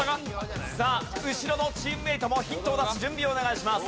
さあ後ろのチームメートもヒントを出す準備をお願いします。